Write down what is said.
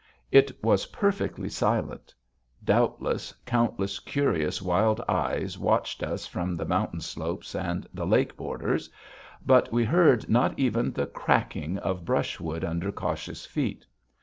It was perfectly silent. Doubtless, countless curious wild eyes watched us from the mountain slopes and the lake borders. But we heard not even the cracking of brushwood under cautious feet.